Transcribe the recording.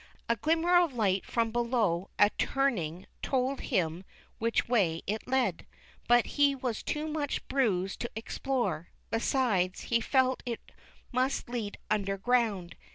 A glimmer of light from below a turning told him which way it led ; but he was too much bruised to explore ; besides, he felt sure it must lead under ground.